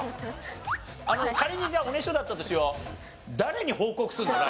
仮にじゃあおねしょだったとしよう。